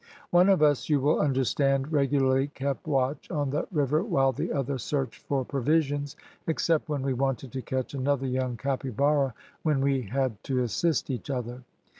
One of us, you will understand, regularly kept watch on the river while the other searched for provisions, except when we wanted to catch another young capybara, when we had to assist each other.